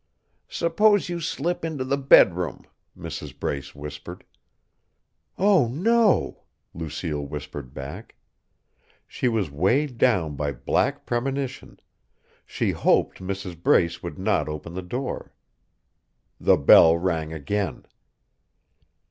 "Suppose you slip into the bedroom," Mrs. Brace whispered. "Oh, no!" Lucille whispered back. She was weighed down by black premonition; she hoped Mrs. Brace would not open the door. The bell rang again.